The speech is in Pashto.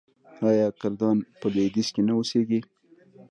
آیا کردان په لویدیځ کې نه اوسیږي؟